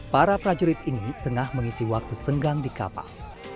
para prajurit ini tengah mengisi waktu senggang di kapal